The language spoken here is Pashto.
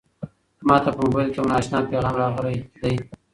ما ته په موبایل کې یو نااشنا پیغام راغلی دی.